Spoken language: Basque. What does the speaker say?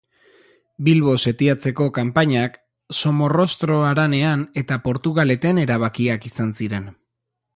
Bilbo setiatzeko kanpainak, Somorrostro Haranean eta Portugaleten erabakiak izan ziren.